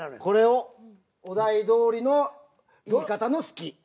これをお題どおりの言い方の「好き」。